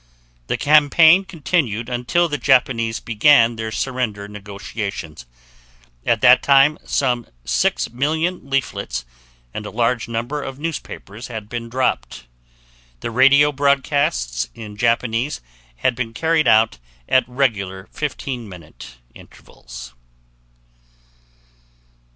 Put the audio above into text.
The campaign continued until the Japanese began their surrender negotiations. At that time some 6,000,000 leaflets and a large number of newspapers had been dropped. The radio broadcasts in Japanese had been carried out at regular 15 minute intervals.